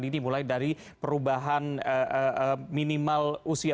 ini mulai dari perubahan minimal usia